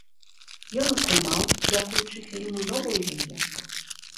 Ён атрымаў, дзякуючы фільму, новую легенду.